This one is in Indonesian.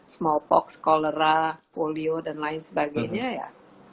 smallpox colera polio dan lain sebagainya ya